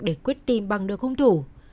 để quyết tìm băng đưa khung thủ